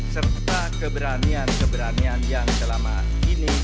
serta keberanian keberanian yang selama ini